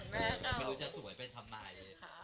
ไม่รู้จะสวยไปทำไม